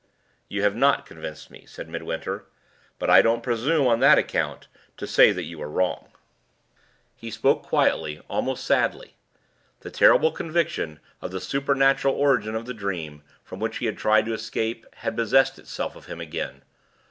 "You have not convinced me," said Midwinter. "But I don't presume on that account to say that you are wrong." He spoke quietly, almost sadly. The terrible conviction of the supernatural origin of the dream, from which he had tried to escape, had possessed itself of him again.